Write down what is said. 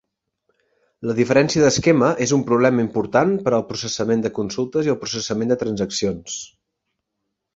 La diferència d'esquema és un problema important per al processament de consultes i el processament de transaccions.